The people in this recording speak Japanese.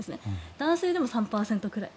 男性でも３％くらい。